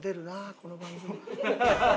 この番組。